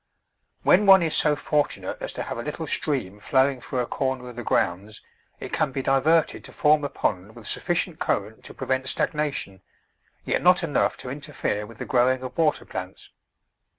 When one is so fortunate as to have a little stream flowing through a corner of the grounds it can be diverted to form a pond with sufficient current to pre vent stagnation, yet not enough to interfere with the growing of water plants.